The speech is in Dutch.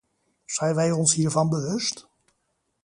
Zijn wij ons hiervan bewust?